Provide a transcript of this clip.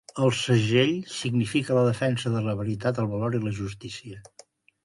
El segell significa la defensa de la veritat, el valor i la justícia.